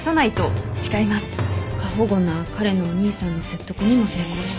過保護な彼のお兄さんの説得にも成功して。